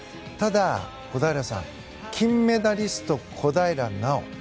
ただ、小平さん金メダリスト小平奈緒。